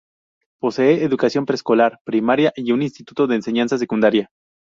Posee educación preescolar, primaria y un instituto de enseñanza secundaria.